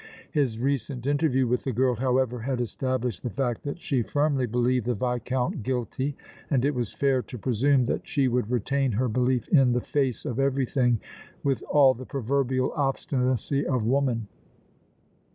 His recent interview with the girl, however, had established the fact that she firmly believed the Viscount guilty, and it was fair to presume that she would retain her belief in the face of everything with all the proverbial obstinacy of woman.